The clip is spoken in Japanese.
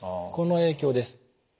この影響です。